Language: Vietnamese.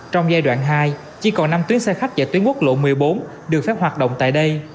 trong giai đoạn hai chỉ còn năm tuyến xe khách chạy tuyến quốc lộ một mươi bốn được phép hoạt động tại đây